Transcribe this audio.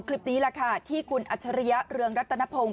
คลิปนี้แหละค่ะที่คุณอัจฉริยะเรืองรัตนพงศ